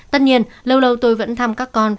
tất nhiên lâu lâu tôi vẫn thăm các con